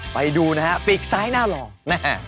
ไปดูนะฮะปีกซ้ายหน้าหล่อนะฮะ